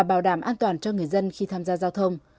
bảo đảm an toàn cho người dân khi tham gia giao thông